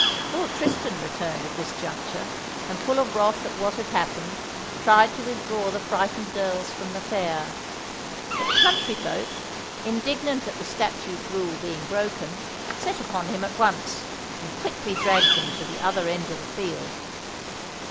Lord Tristan returned at this juncture, and full of wrath at what had happened, tried to withdraw the frightened girls from the fair; but the country folks, indignant at the statute rule being broken, set upon him at once, and quickly dragged him to the other end of the field.